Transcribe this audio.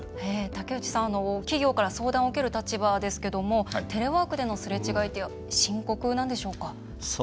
竹内さん、企業から相談を受ける立場ですけどもテレワークでのすれ違いって深刻なんでしょうか？